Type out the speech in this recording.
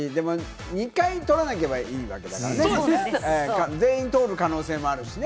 ２回取らなければいいわけだからね、全員通る可能性もあるしね。